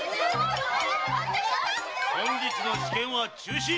本日の試験は中止‼